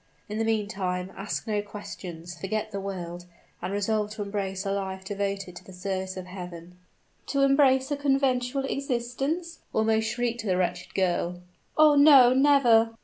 In the meantime, ask no questions, forget the world, and resolve to embrace a life devoted to the service of Heaven." "To embrace a conventual existence!" almost shrieked the wretched girl. "Oh! no, never!"